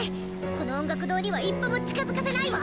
この音楽堂には一歩も近づかせないわ！